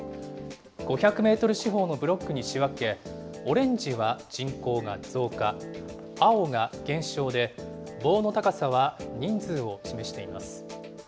５００メートル四方のブロックに仕分け、オレンジは人口が増加、青が減少で、棒の高さは人数を示しています。